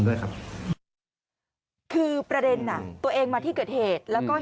ด้วยครับคือประเด็นน่ะตัวเองมาที่เกิดเหตุแล้วก็